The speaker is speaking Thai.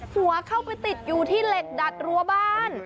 หัวเข้าไปติดอยู่ที่เหล็กดัดรั้วบ้าน